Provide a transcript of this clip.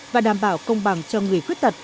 và đảm bảo công bằng cho người khuyết tật